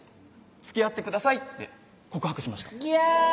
「つきあってください」って告白しましたギャー！